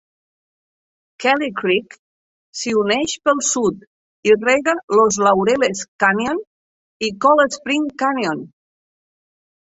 Kelly Creek s'hi uneix pel sud i rega Los Laureles Canyon i Cold Spring Canyon.